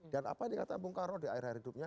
apa yang dikatakan bung karno di akhir akhir hidupnya